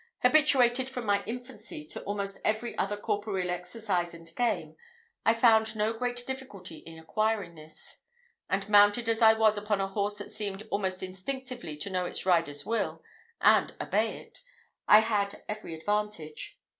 Habituated from my infancy to almost every other corporeal exercise and game, I found no great difficulty in acquiring this; and mounted as I was upon a horse that seemed almost instinctively to know its rider's will, and obey it, I had every advantage.